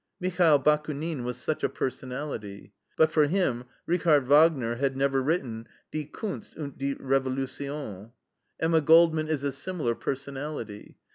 Michael Bakunin was such a personality. But for him, Richard Wagner had never written DIE KUNST UND DIE REVOLUTION. Emma Goldman is a similar personality.